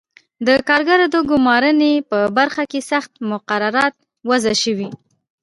د کارګرو د ګومارنې په برخه کې سخت مقررات وضع شوي.